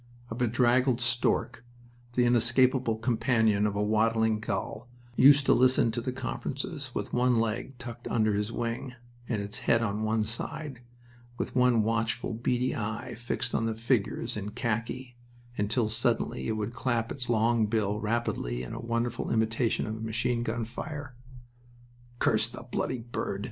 A bedraggled stork, the inseparable companion of a waddling gull, used to listen to the conferences, with one leg tucked under his wing, and its head on one side, with one watchful, beady eye fixed on the figures in khaki until suddenly it would clap its long bill rapidly in a wonderful imitation of machine gun fire "Curse the bloody bird!"